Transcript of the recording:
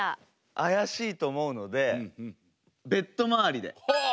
怪しいと思うのでベッドまわりで。